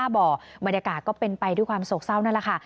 บ่อบรรยากาศก็เป็นไปด้วยความโศกเศร้านั่นแหละค่ะ